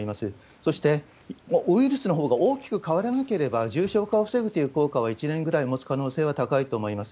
そして、ウイルスのほうが大きく変わらなければ、重症化を防ぐという効果は１年ぐらいもつ可能性は高いと思います。